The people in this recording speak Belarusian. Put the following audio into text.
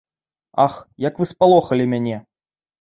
Ах, як вы спалохалі мяне.